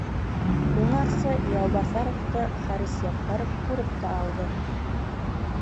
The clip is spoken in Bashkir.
Уңарсы Яубаҫаровты Харис Яппаров күреп тә алды: